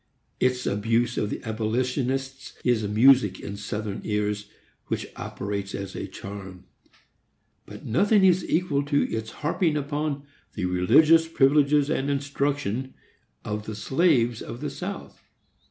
Its abuse of the abolitionists is music in Southern ears, which operates as a charm. But nothing is equal to its harping upon the "religious privileges and instruction" of the slaves of the South.